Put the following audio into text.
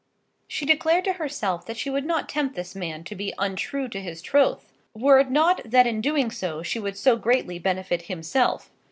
She declared to herself that she would not tempt this man to be untrue to his troth, were it not that in doing so she would so greatly benefit himself.